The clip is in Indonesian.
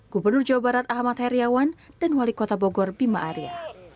gubernur jawa barat ahmad heriawan dan wali kota bogor bima arya